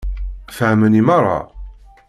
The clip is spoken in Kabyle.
Fehmen i meṛṛa?